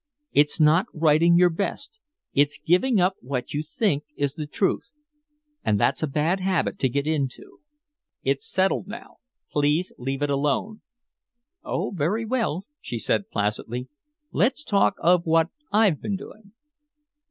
It's not writing your best. It's giving up what you think is the truth. And that's a bad habit to get into." "It's settled now. Please leave it alone." "Oh very well," she said placidly. "Let's talk of what I've been doing."